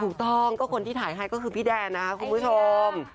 ถูกต้องก็คนที่ถ่ายให้ก็คือพี่แดนนะครับคุณผู้ชม